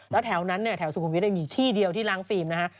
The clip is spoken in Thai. แล้วแถวนั้นเนี่ยแถวสุขุมวิทย์อยู่ที่เดียวที่ล้างฟิล์มนะฮะ